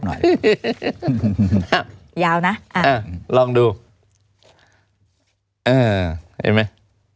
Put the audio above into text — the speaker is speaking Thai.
อืหือเห็นมั้ย